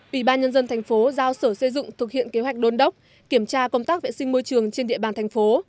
ủy ban nhân dân tp giao sở xây dựng thực hiện kế hoạch đôn đốc kiểm tra công tác vệ sinh môi trường trên địa bàn tp